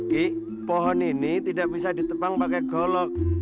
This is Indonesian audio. ki pohon ini tidak bisa ditebang pakai golok